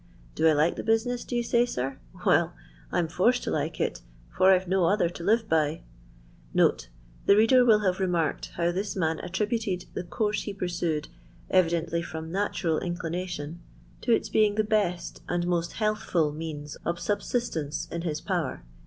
Do I like the business, do you say, sir ? Well, I 'm forced to like it, for I 've no other to live by." [The reader will have remarked how this man attributed the course hej pursued, evidently from natural inclination, to its being the best and roost healthful means of subsist ence in his power.